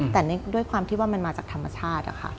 แต่ด้วยความที่ว่ามันมาจากธรรมชาติ